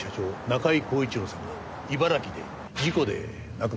中井恒一郎さんが茨城で事故で亡くなりました。